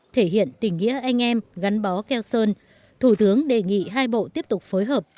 thể hiện tình nghĩa anh em gắn bó keo sơn thủ tướng đề nghị hai bộ tiếp tục phối hợp